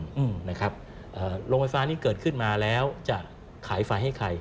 โรงไฟฟ้านี้เกิดขึ้นมาแล้วจะขายไฟให้ใคร